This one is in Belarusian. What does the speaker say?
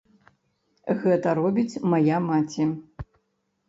Гэта робіць мая маці.